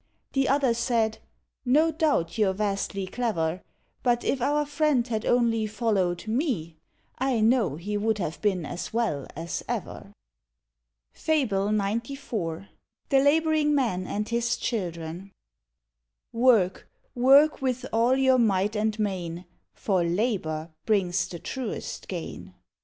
The other said, "No doubt you're vastly clever; But if our friend had only followed me, I know he would have been as well as ever." FABLE XCIV. THE LABOURING MAN AND HIS CHILDREN. Work, work, with all your might and main, For labour brings the truest gain.